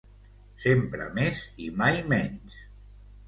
Sempre més i mai menys!